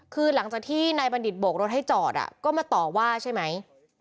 คือหลังจากที่นายบัณฑิตโบกรถให้จอดก็มาต่อว่าใช่ไหม